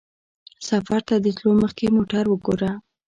سفر ته د تلو مخکې موټر وګوره.